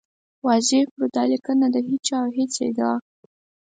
واضح کړو، دا لیکنه د هېچا او هېڅ ډول ادعا